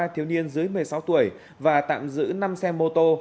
thiếu niên dưới một mươi sáu tuổi và tạm giữ năm xe mô tô